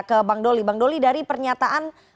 ke bang doli bang doli dari pernyataan